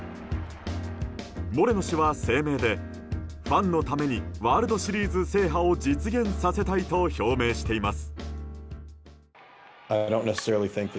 モレノ氏は声明でファンのためにワールドシリーズ制覇を実現させたいと表明しています。